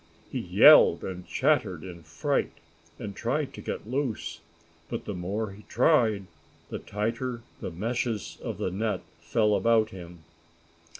He yelled and chattered in fright, and tried to get loose, but the more he tried, the tighter the meshes of the net fell about him.